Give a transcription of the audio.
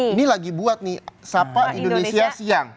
ini lagi buat nih siapa indonesia siang